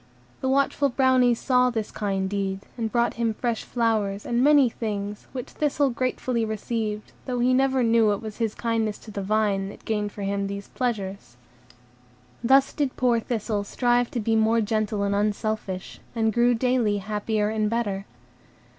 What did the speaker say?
The watchful Brownies saw this kind deed, and brought him fresh flowers, and many things, which Thistle gratefully received, though he never knew it was his kindness to the vine that gained for him these pleasures. Thus did poor Thistle strive to be more gentle and unselfish, and grew daily happier and better.